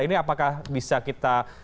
ini apakah bisa kita